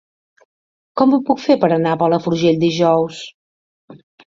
Com ho puc fer per anar a Palafrugell dijous?